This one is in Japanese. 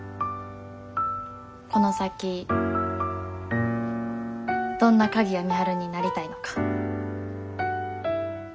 この先どんな鍵谷美晴になりたいのか。